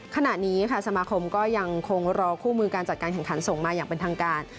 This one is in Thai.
ขณะนี้ค่ะสมาคมก็ยังคงรอคู่มือการจัดการแข่งขันส่งมาอย่างเป็นทางการ